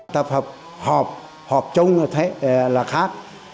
tập hợp họp họp chung là khác